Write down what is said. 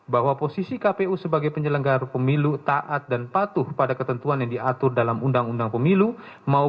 bahwa posisi kpu sebagai penyelenggara pemilu taat dan patuh pada ketentuan yang diatur dalam undang undang pemilu